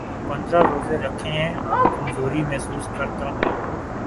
پندرہ روزے رکھے ہیں‘ اب کمزوری محسوس کر تا ہوں۔